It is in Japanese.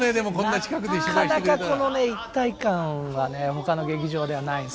なかなかこのね一体感はねほかの劇場ではないですね。